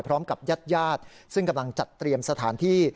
พร้อมกับญาติญาติซึ่งกำลังจัดเตรียมสถานที่